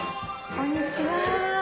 こんにちは。